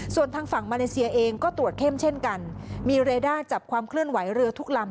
ส่วนทางฝั่งมาเลเซียเองก็ตรวจเข้มเช่นกันมีเรด้าจับความเคลื่อนไหวเรือทุกลำ